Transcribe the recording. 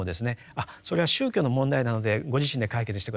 あっそれは宗教の問題なのでご自身で解決して下さい。